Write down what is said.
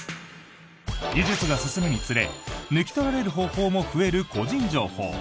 技術が進むにつれ抜き取られる方法も増える個人情報。